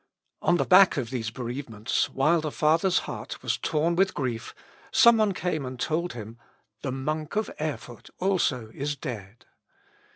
On the back of these bereavements, while the father's heart was torn with grief, some one came and told him, "The monk of Erfurt also is dead!"